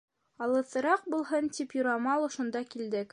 Алыҫыраҡ булһын тип, юрамал ошонда килдек.